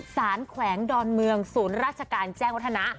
แขวงดอนเมืองศูนย์ราชการแจ้งวัฒนะ